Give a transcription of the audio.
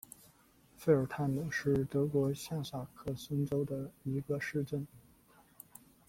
费尔泰姆是德国下萨克森州的一个市镇。